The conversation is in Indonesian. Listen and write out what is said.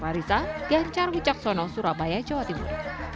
saya dian carwi caksono surabaya jawa timur